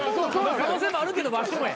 可能性もあるけどワシもや。